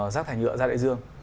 rác thải nhựa ra đại dương